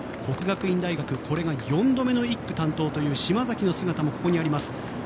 國學院大學、これが４度目の１区の島崎の姿もここにあります。